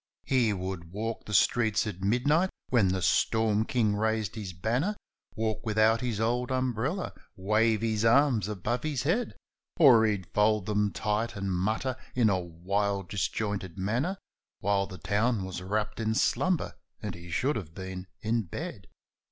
He would walk the streets at midnight, when the storm king raised his banner, Walk without his old umbrella, wave his arms above his head : Or he'd fold them tight, and mutter, in a wild, disjointed manner, While the town was wrapped in slumber and he should have been in bed.